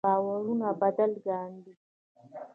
باورونه بدل کاندي.